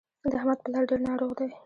د احمد پلار ډېر ناروغ دی.